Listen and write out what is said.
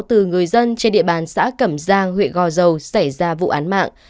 từ người dân trên địa bàn xã cẩm giang huyện gò dầu xảy ra vụ án mạng